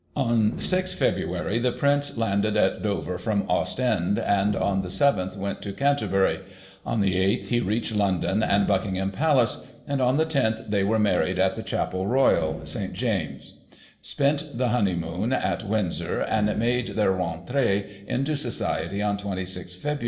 On 6 Feb. the Prince landed at Dover from Ostend, and on the 7th went to Cemterbury ; on the 8th he reached London and Buckingham Palace ; and, on the loth they were married at the Chapel Royal, St.* James* ; spent the honeymoon at Windsor, and made their reniree into society on 26 Feb.